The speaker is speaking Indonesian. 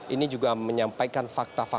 ini juga menyampaikan fakta fakta